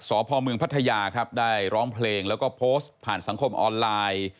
สพเมืองพัทยาครับได้ร้องเพลงแล้วก็โพสต์ผ่านสังคมออนไลน์